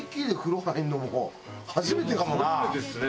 初めてですね。